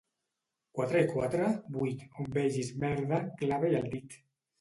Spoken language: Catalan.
—Quatre i quatre? —Vuit. —On vegis merda, clava-hi el dit.